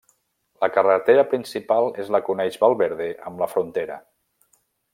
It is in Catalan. La carretera principal és la que uneix Valverde amb La Frontera.